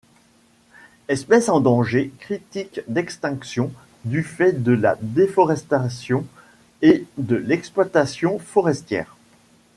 Espèce en danger critique d'extinction du fait de la déforestation et de l'exploitation forestière.